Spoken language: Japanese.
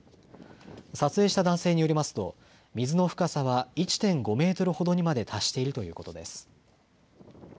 撮影した男性によりますと水の深さは１．５メートルほどにまで達しているということです。